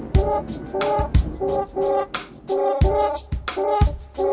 bagaimana keanje bocornya